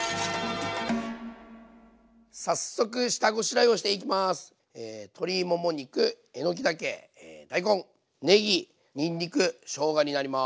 早速下ごしらえをしていきます。